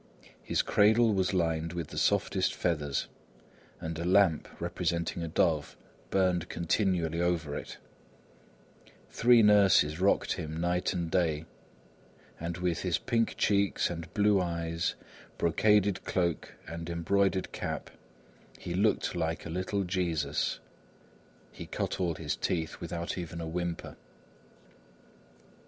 His cradle was lined with the softest feathers, and lamp representing a dove burned continually over it; three nurses rocked him night and day, and with his pink cheeks and blue eyes, brocaded cloak and embroidered cap he looked like a little Jesus. He cut all his teeth without even a whimper.